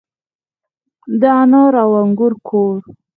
د انار او انګور کور.